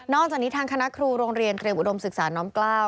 จากนี้ทางคณะครูโรงเรียนเตรียมอุดมศึกษาน้อมกล้าว